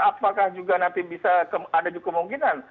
apakah juga nanti bisa ada di kemungkinan